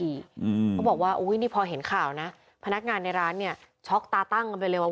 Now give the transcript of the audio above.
เขาบอกว่าอุ้ยนี่พอเห็นข่าวนะพนักงานในร้านเนี่ยช็อกตาตั้งกันไปเลยว่า